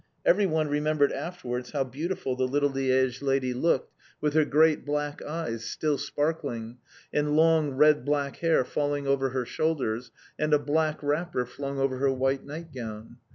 Everyone remembered afterwards how beautiful the little Liège lady looked with her great, black eyes, still sparkling, and long red black hair falling over her shoulders, and a black wrapper flung over her white nightgown.